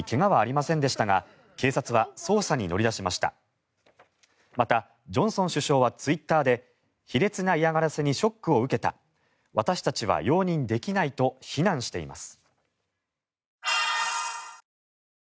また、ジョンソン首相はツイッターで卑劣な嫌がらせにショックを受けた私たちは容認できないと非難しています。